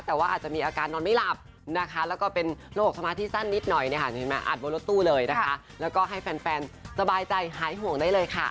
อัดวงรถตู้เลยนะคะแล้วก็ให้แฟนสบายใจหายห่วงได้เลยค่ะ